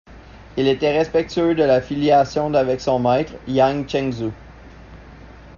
Il était respectueux de la filiation d’avec son maître, Yang ChengFu.